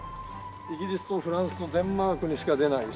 イギリスとフランスとデンマークにしか出ない石。